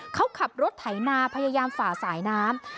เขาขับรถไถนาพยายามฝ่าสายน้ำ